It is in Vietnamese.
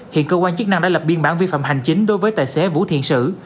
hiện cơ quan chức năng đã lập biên bản vi phạm hành chính đối với tài xế vũ thiện sử